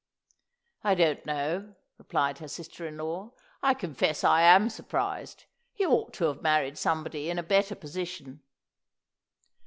"I don't know," replied her sister in law; "I confess I am surprised. He ought to have married somebody in a better position."